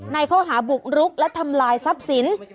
ในข้อหาบุกรุกและทำลายทรัพย์สิน